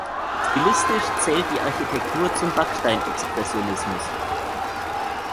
Stilistisch zählt die Architektur zum Backsteinexpressionismus.